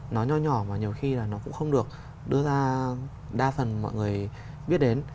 nó nho nhỏ mà nhiều khi là nó cũng không được đưa ra đa phần mọi người biết đến